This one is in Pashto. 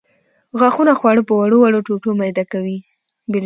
غاښونه خواړه په وړو وړو ټوټو میده کوي.